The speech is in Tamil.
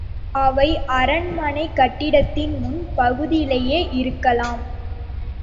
அவை அரண்மனைக் கட்டிடத்தின் முன் பகுதியிலேயே இருக்கலாம்.